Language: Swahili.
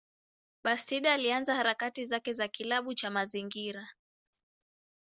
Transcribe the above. Bastida alianza harakati zake na kilabu cha mazingira.